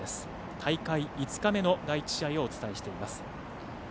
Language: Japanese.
大会５日目の第１試合をお伝えしています。